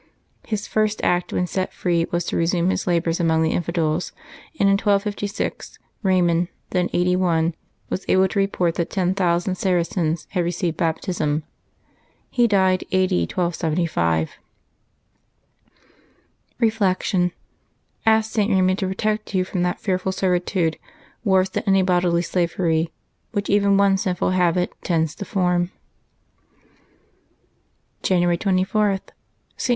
His first act when set free was to resume his labors among the infidels, and in 1256 Eaymund, then eighty one, was able to report that ten thousand Saracens had received Baptism. He died a. d. 1275. Reflection. — Ask St. Eaymund to protect you from that fearful servitude, worse than any bodily slavery, which even one sinful habit tends to form. January 24.— ST.